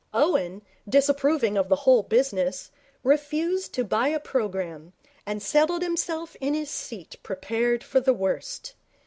Owen, disapproving of the whole business, refused to buy a programme, and settled himself in his seat prepared for the worst.